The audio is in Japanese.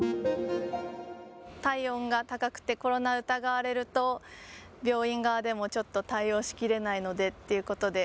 体温が高くて、コロナ疑われると、病院側でもちょっと対応しきれないのでっていうことで、